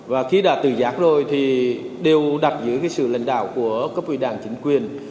và khi đã tự giác rồi đều đặt giữ sự lãnh đạo của cấp ủy đảng chính quyền